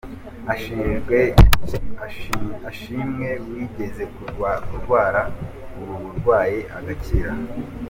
Ashimwe wigeze kurwara ubu burwayi agakira